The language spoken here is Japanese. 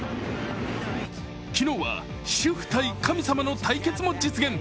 昨日は主婦×神様の対決も実現。